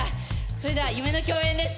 それでは夢の共演です。